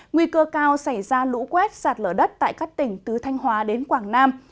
nguy cơ cao xảy ra lũ quét sạt lở đất tại các tỉnh từ thanh hóa đến quảng nam